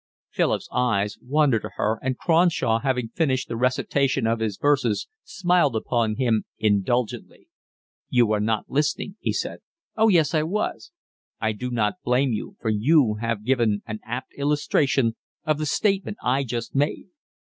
Philip's eyes wandered to her, and Cronshaw, having finished the recitation of his verses, smiled upon him indulgently. "You were not listening," he said. "Oh yes, I was." "I do not blame you, for you have given an apt illustration of the statement I just made.